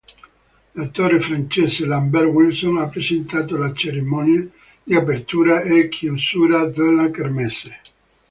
L'attore francese Lambert Wilson ha presentato la cerimonia di apertura e chiusura della kermesse.